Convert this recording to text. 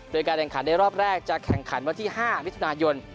โดยการแข่งขันในรอบแรกจะแข่งขันวันที่๕มิถุนายน